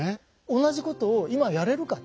同じことを今やれるかって。